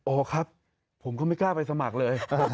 อ๋อครับผมก็ไม่กล้าไปสมัครเลย